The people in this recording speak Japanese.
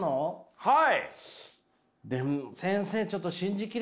はい。